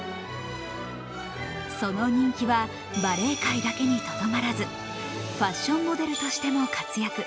その人気はバレエ界にとどまらずファッションモデルとしても活躍。